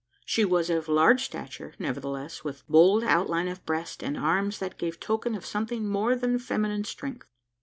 She was of large stature, nevertheless, with bold outline of breast, and arms that gave token of something more than feminine strength.